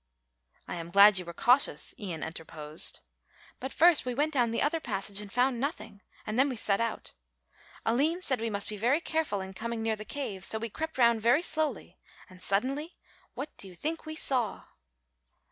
'" "I am glad you were cautious," Ian interposed. "But first we went down the other passage and found nothing, and then we set out. Aline said we must be very careful in coming near the cave, so we crept round very slowly; and suddenly, what do you think we saw?"